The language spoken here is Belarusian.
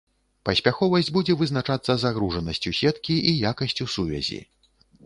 Паспяховасць будзе вызначацца загружанасцю сеткі і якасцю сувязі.